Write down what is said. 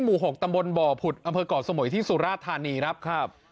หมู่๖ตำบลบ่อผุดอำเภอก่อสมุยที่สุราธานีครับครับ